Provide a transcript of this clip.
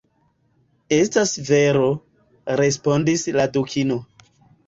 "Estas vero," respondis la Dukino.